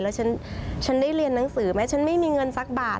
แล้วฉันได้เรียนหนังสือไหมฉันไม่มีเงินสักบาท